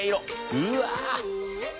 うわ！